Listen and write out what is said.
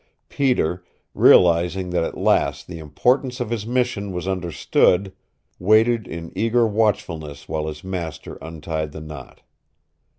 Peter, realizing that at last the importance of his mission was understood, waited in eager watchfulness while his master untied the knot.